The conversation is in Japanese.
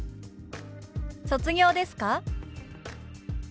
「卒業ですか？」。